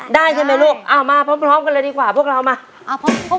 ได้ใช่ไหมลูกเอามาพร้อมกันเลยดีกว่าพวกเรามา